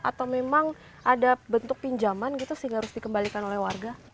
atau memang ada bentuk pinjaman gitu sehingga harus dikembalikan oleh warga